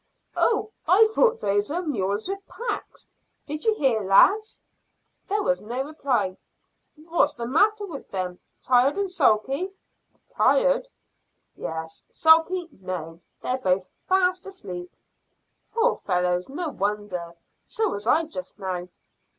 "Oh! I thought those were mules with packs. Do you hear, lads?" There was no reply. "What's the matter with them? Tired and sulky?" "Tired? Yes! Sulky? No. They're both fast asleep." "Poor fellows! No wonder. So was I just now."